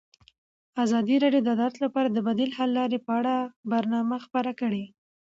ازادي راډیو د عدالت لپاره د بدیل حل لارې په اړه برنامه خپاره کړې.